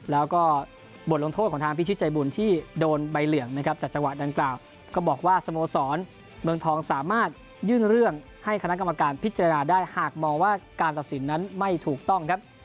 แล้วก็บทลงโทษของทางพิชิตใจบุญที่โดนใบเหลืองนะครับจากจังหวะดังกล่าวก็บอกว่าสโมสรเมืองทองสามารถยื่นเรื่องให้คณะกรรมการพิจารณาได้หากมองว่าการตัดสินนั้นไม่ถูกต้องครับ